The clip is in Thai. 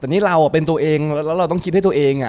แต่นี่เราเป็นตัวเองแล้วเราต้องคิดให้ตัวเอง